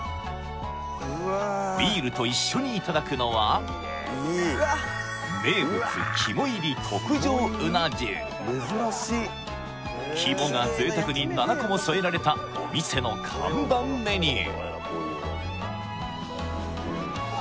ビールと一緒にいただくのは名物肝が贅沢に７個も添えられたお店の看板メニュー